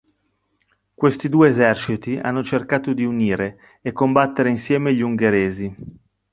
Questi due eserciti hanno cercato di unire e combattere insieme gli ungheresi.